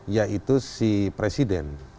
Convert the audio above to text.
yaitu si presiden